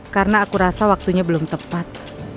karena aku rasa waktunya belum tepat